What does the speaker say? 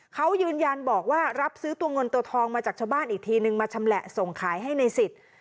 เขายืนยันบอกว่ารับซื้อตัวเงินตัวทองมาจากชาวบ้านอีกทีนึงมาชำแหละส่งขายให้ในสิทธิ์